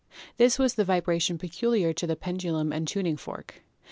This was the vibration peculiar to the pendulum and tuning fork.